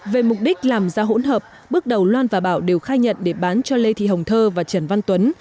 về mục đích làm ra hỗn hợp bước đầu loan và bảo đều khai nhận để bán cho lê thị hồng thơ và trần văn tuấn